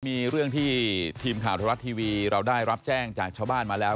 มีเรื่องที่ทีมข่าวไทยรัฐทีวีเราได้รับแจ้งจากชาวบ้านมาแล้ว